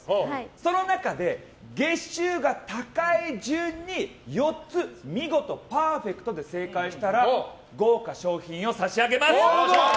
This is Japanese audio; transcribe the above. その中で月収が高い順に４つ見事パーフェクトで正解をしたら豪華賞品を差し上げます。